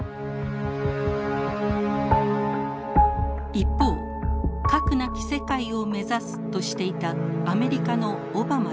一方核なき世界を目指すとしていたアメリカのオバマ大統領。